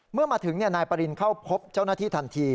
เมื่อมาถึงนายปรินเข้าพบเจ้าหน้าที่ทันที